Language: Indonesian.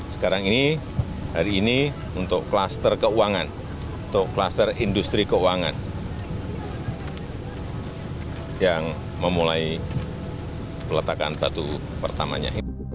sekarang ini hari ini untuk kluster keuangan untuk kluster industri keuangan yang memulai peletakan batu pertamanya